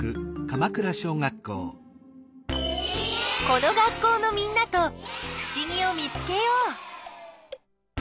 この学校のみんなとふしぎを見つけよう。